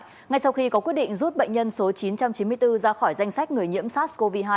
tổng cộng chín trăm chín mươi bốn ra khỏi danh sách người nhiễm sars cov hai